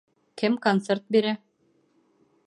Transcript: Кем концерт бирә?